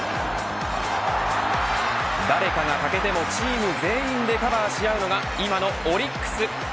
誰かが欠けてもチーム全員でカバーし合うのが今のオリックス。